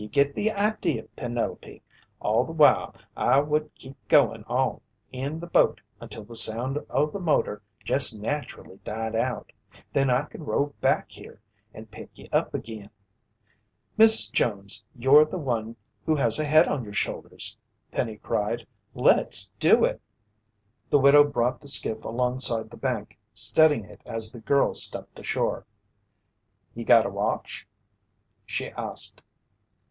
"Ye got the idea, Penelope. All the while, I would keep goin' on in the boat until the sound o' the motor jest naturally died out. Then I could row back here and pick ye up agin." "Mrs. Jones, you're the one who has a head on your shoulders!" Penny cried. "Let's do it!" The widow brought the skiff alongside the bank, steadying it as the girl stepped ashore. "Ye got a watch?" she asked.